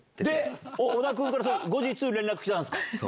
織田君から後日連絡来たんですか？